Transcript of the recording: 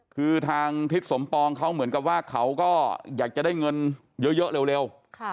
คือทางทิศสมปองเขาเหมือนกับว่าเขาก็อยากจะได้เงินเยอะเร็ว